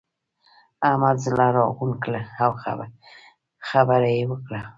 احمد زړه راغونډ کړ؛ او خبره يې وکړه.